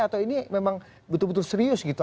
atau ini memang betul betul serius gitu